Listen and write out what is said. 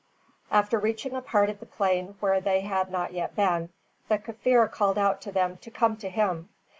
After reaching a part of the plain where they had not yet been, the Kaffir called out to them to come to him.